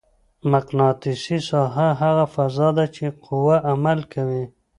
مقناطیسي ساحه هغه فضا ده چې قوه عمل کوي.